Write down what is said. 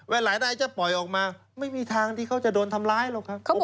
หลายนายจะปล่อยออกมาไม่มีทางที่เขาจะโดนทำร้ายหรอกครับ